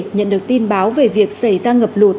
nhận được tin báo về việc xảy ra ngập lụt